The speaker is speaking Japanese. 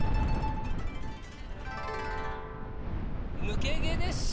抜け毛です。